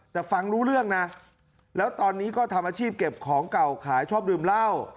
แต่ฟังรู้เรื่องนะแล้วตอนนี้ก็ทำอาชีพเก็บของเก่าขายชอบดื่มเหล้า